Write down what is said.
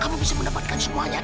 kamu bisa mendapatkan semuanya